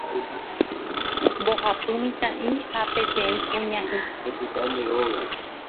Mbohapy mitã'i ha peteĩ mitãkuña'i.